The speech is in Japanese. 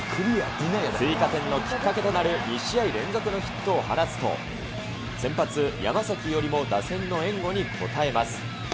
追加点のきっかけとなる２試合連続のヒットを放つと、先発、山崎伊織も打線の援護に応えます。